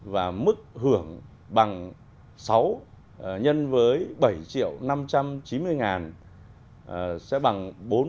và mức hưởng bằng sáu nhân với bảy triệu năm trăm chín mươi ngàn sẽ bằng bốn mươi